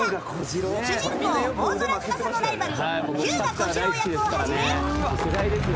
主人公・大空翼のライバル日向小次郎役をはじめ。